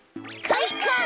かいか！